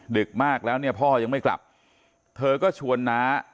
ดึกมากแล้วเนี่ยพ่อยังไม่กลับเธอก็ชวนน้า